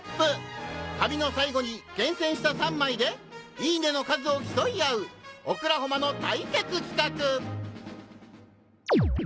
旅の最後に厳選した３枚で「いいね！」の数を競い合う『オクラホマ』の対決企画！